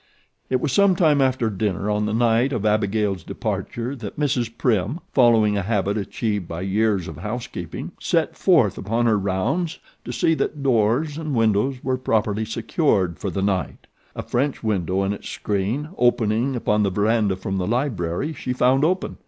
It was some time after dinner on the night of Abigail's departure that Mrs. Prim, following a habit achieved by years of housekeeping, set forth upon her rounds to see that doors and windows were properly secured for the night. A French window and its screen opening upon the verandah from the library she found open.